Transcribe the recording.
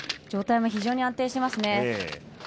上体も非常に安定していますね。